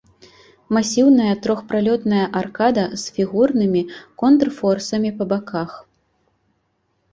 Масіўная трохпралётная аркада з фігурнымі контрфорсамі па баках.